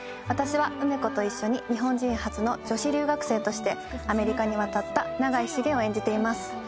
私は梅子と一緒に日本人初の女子留学生としてアメリカに渡った永井繁を演じています。